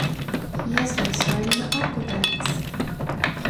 He has guest starred in The Aquabats!